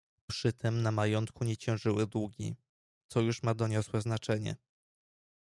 "Przy tem na majątku nie ciążyły długi, co już ma doniosłe znaczenie."